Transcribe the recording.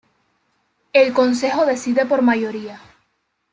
El consejo decide por mayoría.